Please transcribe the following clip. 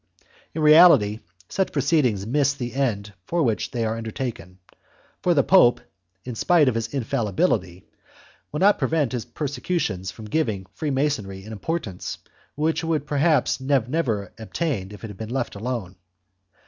In reality such proceedings miss the end for which they are undertaken, and the Pope, in spite of his infallibility, will not prevent his persecutions from giving Freemasonry an importance which it would perhaps have never obtained if it had been left alone.